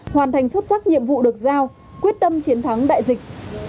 hoàn thành xuất sắc nhiệm vụ được giao quyết tâm chiến thắng đại dịch